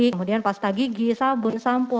kemudian pasta gigi sabun sampo